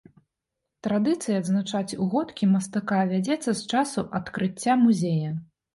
Традыцыя адзначаць угодкі мастака вядзецца з часу адкрыцця музея.